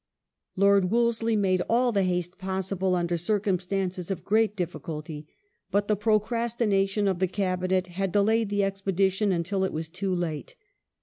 Lord Wolseley made all the haste possible under circumstances of gi eat difficulty, but the procrastination of the Cabinet had delayed the expedition until it was too late.